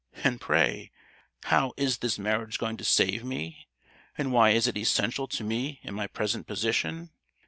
And pray, how is this marriage going to save me? and why is it essential to me in my present position?